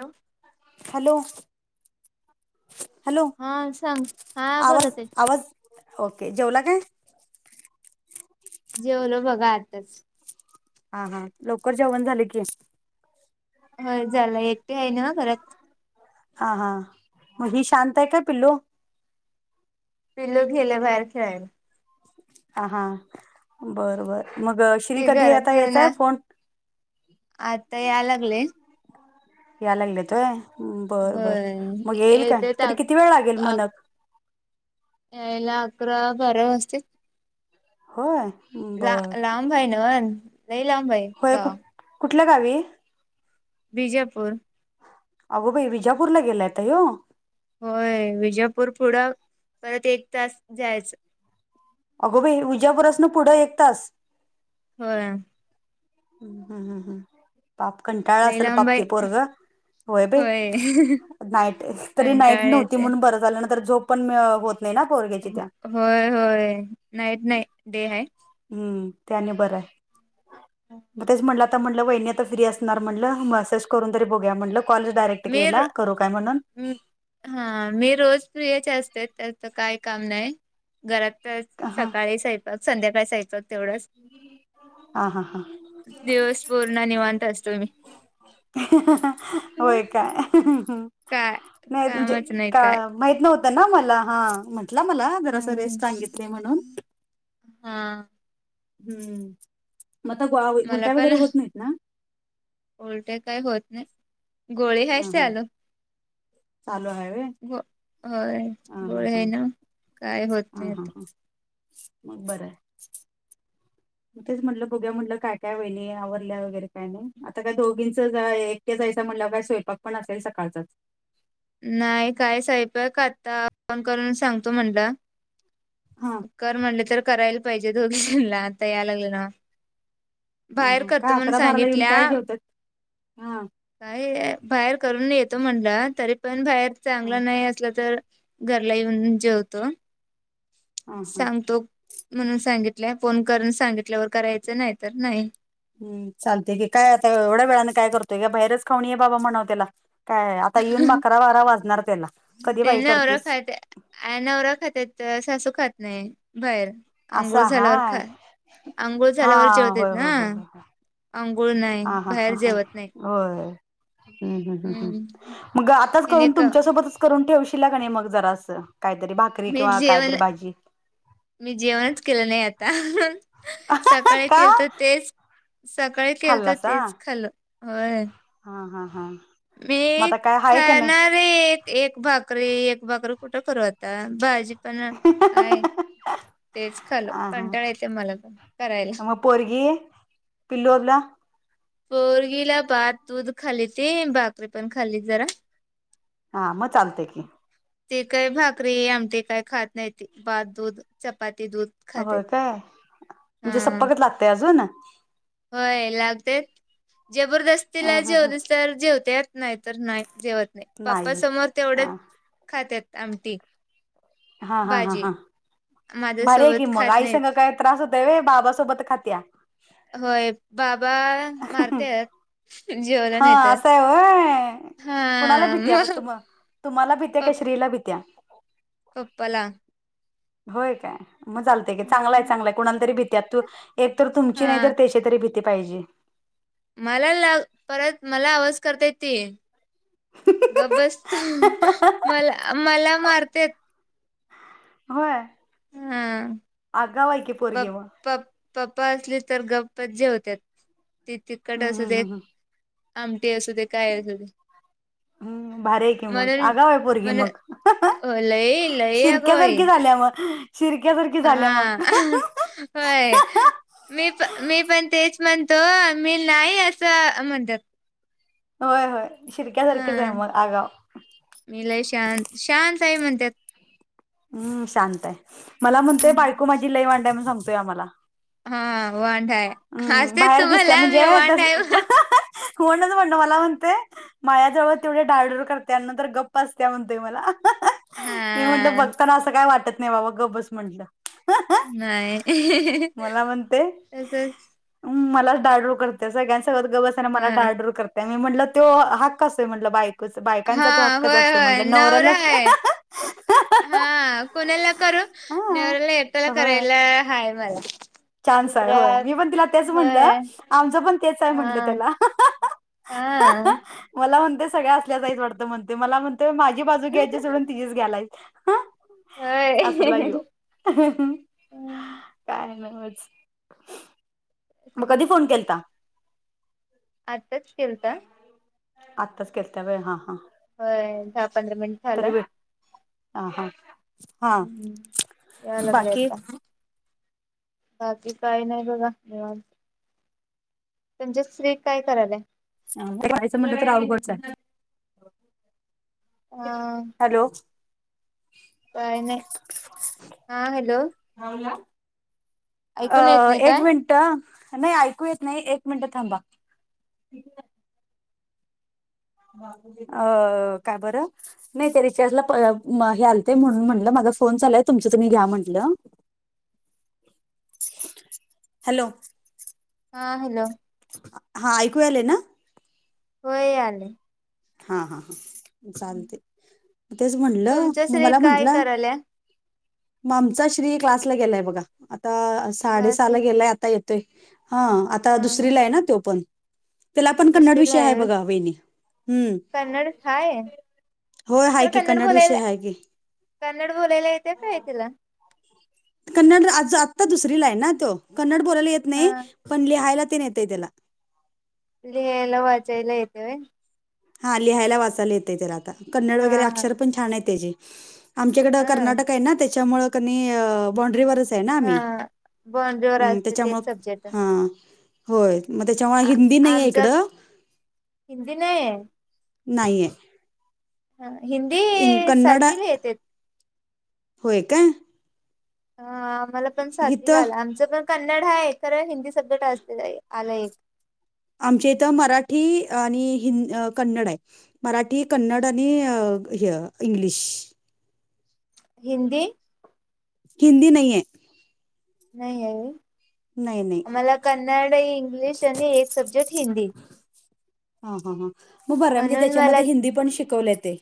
Hello. Hello hello हा सांग हा आवाज बोलत आहे. आवाज ओके जेवला काय जेवल बघा आताच हा हा लवकर जेवण झाले की ह झाला एकटी आहे ना घरात हा हा मग ही शांत आहे का पिल्लो पिल गेले बाहेर खेळायला हा बर बर मग श्री ते कधी आता घरातले ना यायचाय फोन आता या लागले या लागले होय बरं बर होय मग येईल काय येतेत तरी अक किती वेळ लागेल अक मनक यायला अकरा बारा वाजतील होय ला बर लांब आहे ना लई लांब आहे होय कुठ गाव कुठल्या गावी बिजापूर अगो भाई विजापूरला गेलायता य होय विजापूर पुढं परत एक तास जायचं अगो भई विजापूरसन पुढं एक तास हो हम्म हम् हम्म हम पाप कंटाळ लई असल लांब पाप आहे ते पोरग होय बाई नाईट तरी नाईट कंटाळा नव्हती येते म्हणून बर झाल नाही तर झोप पण होत म ना पर्र होय होय नाईट ना डे आहे हम्म ते आणि बर आहे मग तेच म्हटलं आता म्हटलं वहिनी आ फ्री असणार म्हटलं मॅसेज करून तरी बघूया म्हटलं कॉलेज डायरेक्ट मीर केला करू काय म्हणून हा मी रोज फ्री असते त्याचं काय काम नाही घरात तर हा सकाळी साऐकक संध्याकाळीच ऐकक तेवढच हा हा हा दिवस पूर्ण निवांत असतो मी होय का काय नाही तजे कामच नाही का काय माहत नव्हतं ना मला हा म्हटला मला जरा स रेस सांगितले म्हणून हा हम्म मगता ग मला उलट्या पण वगैरे होत नाहीत ना उलटे काय होत नाही गोळे हा ह्यायचे हा आल चालू आहे ग होय हा हा गोळ हा आहे ना काय होत हा नाही हा आता हा मग बरं तेच म्हटलं बोघ्या म्हटलं काय काय वईली आवरल्या वगैरे काय नाही आता काय दोघींच एक जायच म्हटलं काय स्वयंपाक पण असेल सकाळचाच नाही काय साहेब आहे का आता फोन करून सांगतो म्हणलं. हा कर म्हटले तर करायला पाहिजे दोघी जणला आता याय लागलं ना. हा बाहेर हा करतो काय म्हणून अकरा बाराला येऊन सांगितल्या काय जेवतात हा काय बाहेर करून येतो म्हटलं तरी पण बाहेर हा चांगलं नाही असलं तर घरला येऊन जेवतो. हा हा सांगतो म्हणून सांगितलंय फोन करून सांगितल्यावर करायचं नाही तर नाही. हम् चालतेय की काय आता एवढ्या वेळाने काय करतोय का बाहेरच खाऊणीये बाबा म्हणाव त्याला काय आता येऊन अकरा बारा वाजणार त्याला कधी बाई करतेस. अ नवरा खातात तर सासू खात नाही बाहेर आंघोळ असं झाल्यावर खा हाय अंघोळ हा झाल्यावर होय जेवतेेत ना. होय होय होय आंघोळ नाही हा हा हा बाहेर हा जेवत नाही हो. ह् ह् हम्म मग आताच याने करून का तुमच्या सोबतच करून ठेवशील का नाही मग जरा असं काहीतरी भाकरी मी किंवा जेवण कायतरी भाजी मी जेवणच केलं नाही आता सकाळी का केलं तर तेच सकाळी केलं तर खाल्लासा तेच खाल हय हा हा हा. मग आता काय हाय का वेखन नाही अरे एक एक भाकरी एक भाकरी कुठं करू होता भाजी पण आहेय तेच खाल हा हा पंटाळ येते मला पण करायला. मग पोरगी पिलूरला पोरगीला भात दूध खाल्ली ते भाकरी पण खाल्ली जरा हा मग चालते की. ती काही भाकरी आमटी काही खात नाहीती भात दूध चपाती दूध खाते. होय काय हा म्हणजे सपपकत लागते अजून होय लागते जबरदस्तीला हा हा जेवन तरर जेवते. नाही तर नाही जेवत नाही पाप्पा समोर हा तेवढेच खातेत आमटी हा हा हा भाजी हा. बर आहे की माझ्यासोबत मग खात आई नाहीत. सांग काय त्रास होतय वे बाबाासोबत खात्या होय बाबा मारतेय. हा असं आहे व हा कुणाला भीतीया प तु मग तुम्हाला भित्या का श्रीला भित्या पपला होय काय मग चालत क चांगलाय चांगलाय कुणा तरी भीती तू एक तर तुमची नाही तर हा त्याची तरी भीती पाहिजे. मला ला परत मला आवाज करता येत त ग बसतो मला मला मारते. होय हा आगाव ऐके प पोरगे म प पप्पा असली तर गप्पत जे होत्या. ती तिखट हम्म असू हम्म दे हम्म आमटी असू दे काय असू दे. हम्म भारी आहे की मग म्हणून आगाव आहे पोरगी म्हण मग लई लई शिर अगं बाई. शक्यासारखी झाल्या मग शिरक्यासारखी झाल्या हां. मग. होय. मी प मी पण तेच म्हणतो मी नाही असं म्हणतात. होय होय शिरक्यासारखेच आहे मग आगाव मीलाय शांत शांत आहे म्हणतात. हम्म शांतय मला म्हणतय बायको हं. माझी लई वांड हाय म्हणून सांगतोयआम्हाला हा वांड हाय. हम्म बाहेर दिसते म्हणजे तस म्हण कोणणच म्हणणं मला म्हणते माया्याजवळ तेवढे डाळडूर करते आणि नंतर गप्प असत म्हणतय मला मी म्हटल हां. बघताना असं काय वाटत नाही बाबा ग बस म्हंटलं नाही तसच मलाच डाडूर करते सगळ्यांसोबत गप बसत्यात मला हां. डाडूर करते त्या म्हटलं तो हाक असतोय म्हंटल बायकोचा हा होय होय नवरा का. आहे हा कोणाला करू हा नवऱ्याला एकट्याला होय करायला हाय मला चान्स आहे दुसरा होय मी पण तिला तेच म्हणलं होय. आमचं पण तेच आहे म्हंलं त्याला हा मला म्हणते सगळ्या असल्याचईच वाटतं म्हणते मला म्हणते माझी बाजू घ्यायची सोडून तिेच घ्यायलाय असं ला हाय होय. यो हम्म काय नवच मग कधी फोन केलता आताच केल तर आत्ताच केलता होय हाहा हो दहा पंधरा मिनिट झाला ह हा हा या लागले बाकी आता बाकी काही नाही बघावा म्हणजे स्वीट काय करालय यचं म्हट तर रावघोडच [inaudible] हा हॅलो का नाही हा हॅलो हवला अ ऐकून येत नाही एक काय मिनिट नाही ऐकू येत नाही एक मिनिट थांबा अ का बर नाही ते रिचार्जला हे आलत म्हणून म्हटलं माझा फोन चालाय तुमचं तुम्ही घ्या म्हंटलं हॅलो हा हॅलो हा ऐकूया आलेय ना हो आले हा हा हा चालते तेच म्हटलं तुमच्या मग स्त्री मला काय म्हंटलं करायल्या म आमचा श्री क्लासला गेलाय बघा आता क्लासला साडेसहाला गेलाय आता येत ते हा आता हा हा दुसरीला आहे ना तो पण त्याला पण कन्नड दुसरीला विषय हाय आहे होय बघा वेणी कन्नड हाय होय आहे तर की कन्नड विषय बोलायला आहे की कन्नड बोलायला येते काय तिला कन्नड आ आत्ता दुसरीला आहे ना तो कन्नड बोलायला येत हा नाही पण लिहायला ते नेतय त्याला लिहायला वाचयला येेतेव हा लिहायला वाचायला येतय त्याला आता कन्नड हा वगैरे हा अक्षर पण छान आहे त्याची आमच्याकडं हा कर्नाटक आहे ना त्याच्यामुळ कनी बाॉ्ड्रीवरच हा आम्ही बंडवर असते तेच सब्जेक्ट त्याच्यामुळं होय त्याच्यामुळे आ हिंदी नाही आहे आमच्या इकडं हिंदी नाही आहे नाही आहे ह हिंदी इंग कन्नड सातवीला येते होय का अ आम्हाला पण सातवी ला इथं आलं आमचं पण कन्नड हा खरं हिंदी सब्जेक्ट असते आला एक आमच्या इथं मराठी आणि हि कन्नड आहे मराठी कन्नड आणि इंग्लिश हिंदी हिंदी नाहीये नाही आहे नाही नाही मला कन्नड इंग्लिश आणि एक सब्जेक्ट हिंदी हा हा हा मग बरं म्हणजे म्हणून मला त्याच्यामध्ये हिंदी पण शिकवले ते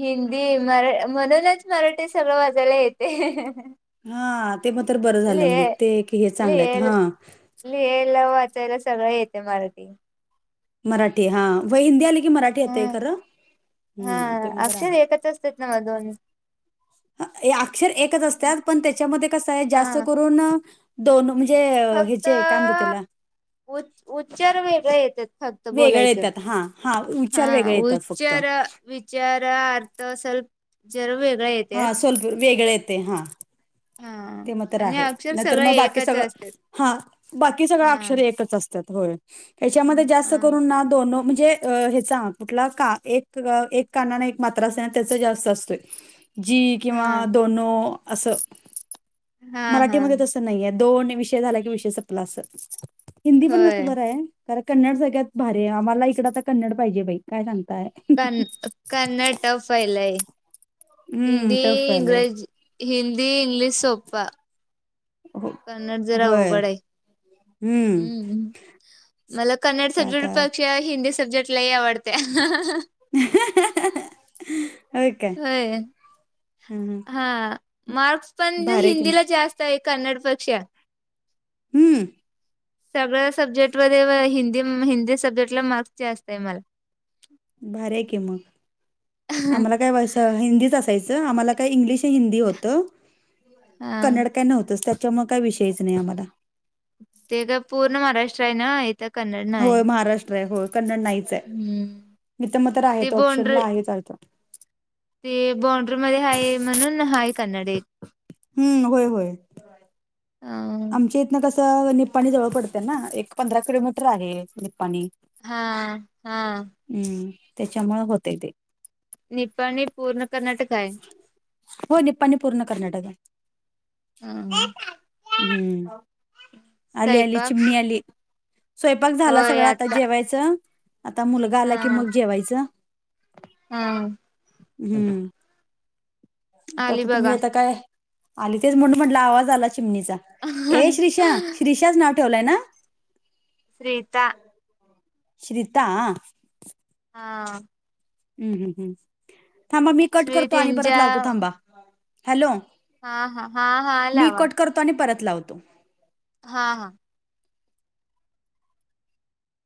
हिंदी मरा म्हणूनच मराठी सगळं वाजायला येते हा ते मग तर बरं झालं मग लिह ते क हे चांगलं आहेत लिह हा लिहायला वाचायला सगळं येते मराठी मराठी हा व हिंदी आली की मराठी हा य खरं हा ते मग अक्षर आहे एकच ना म दोन अक्षर एकच असतात पण त्याच्यामध्ये कसं आहे जास्त हा करून दोन म्हणजे ह्याचे काम देतला उच उच्चार वेगळे येतात फक्त वेगळे बोलायचं येतात हा हा उच्चार हा वेगळे येतात फक्त उच्चार जरा अर्थ स् जर वेगळा येत हा सोलपूर वेगळे येते हां हा ते मात्र आणि आहे अक्षर नंतर सगळे मग बाकी एकच सगळं असतात. हा बाकी सगळं हा अक्षरे एकच असत होय याच्यामध्ये जास्त हा करून ना दोन म्हणजे कुठला का काना एक मात्रा अस ना त्याच जास्त असतोय जी हा किंवा दोनो असं हा हा मराठीमध्ये तसं नाहीय दोन विषय झाला कि विषय संपला अस हिंदी पण कसं होय बरं आहे कारर कन्नड सगळ्यात भारी आहे आम्हाला इकडं तर कन्नड पाहिजे बाई काय सांगताय कन क्नड टफ आहे लय हम्म हिंदी टफ आलंय इंग्रजी हिंदी इंग्लिश सोप होय अवघड आहे. हम्म मला कन्नड स का आता प त्या हिंदी सब्जेक्ट लाही आवडते होय काय होय हम्म हा मार्क्स पण भारी आहे की मग हिंदीला जास्त आहे कन्नड पेक्षा हम्म सगळ्या सब्जेक्ट मध्ये हिंदी हिंदी सब्जेक्ट ला मार्क्स जास्त आहे मला भारी आहे की मग आम्हाला काय वा हंदी च असायच आमाला काय इंग्लिश हिंदी होत हा कन्नड काय न्हवतच त्याच्यामुळे काय विषयच नाही आम्हाला ते का पूर्ण महाराष्ट्र आहे ना कन्नड नाही. होय महाराष्ट्र आहे हो कन्नड नाहीच आहे हम्म मी तर मग तर आहे ते तो ऑप्शनला बांड्री आहे चालतं ते बॉन्ड्री मध्ये हाय म्हणून हाय कन्नड हम्म होय ह च्या इथन कसं निप्पाणी जवळ पडतें ना एक पंधरा किलोमीटर आहे निप्पाणी हा हा हम्म त्याच्यामुळ होतय ते निपाणी पूर्ण कर्नाटक आहे हो निप्पाणी पूर्ण कर्नाटक आहे हम हम्म अली अली स्वयंपाक चिमणी आली स्वयंपाक झाला सगळा आता जेवायचं आता मुलगा आला कि मग जेवायचं हम हम्म आता तुम्ही येता काय आली तेच म्हणून म्हटलं आवाज आला चिमणीचा ए श्रीषा श्रीषाच नाव ठेवलंय ना श्रीता श्रिता हा हम्म हम् हम् थांबा मी कट श्वे करतो आणि परत त्यांच्या लावतो थांबा हॅलो हा हा हा हा मी अलावा कट करतो आणि परत लावतो हा हा